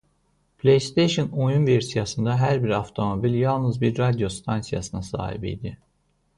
PlayStation oyun versiyasında hər bir avtomobil yalnız bir radio stansiyasına sahib idi.